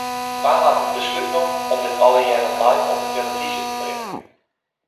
Wa hat it beslút nommen om dit allegearre live op 'e telefyzje te bringen?